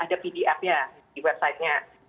ada yang sudah ada pdf nya di website nya